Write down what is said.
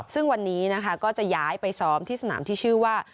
ซึ่งวันนี้นะคะก็จะย้ายไปซ้อมที่สนามที่ชื่อว่า